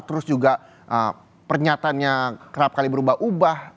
terus juga pernyataannya kerap kali berubah ubah